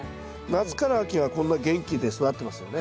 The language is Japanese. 夏から秋はこんな元気で育ってますよね。